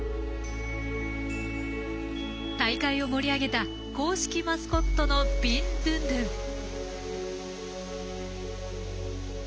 大会を盛り上げた公式マスコットのビンドゥンドゥン。